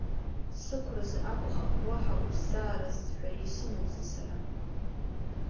Сықәразы акәхап, уаҳа уззаарыз ҳәа исымоузеи сара?